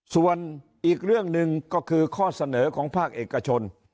ส่วนอีกเรื่องหนึ่งก็คือข้อเสนอของภาคเอกชน